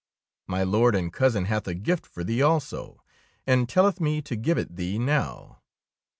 My Lord and cousin hath a gift for thee also, and telleth me to give it thee now.